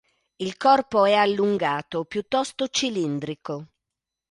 Il corpo è allungato, piuttosto cilindrico.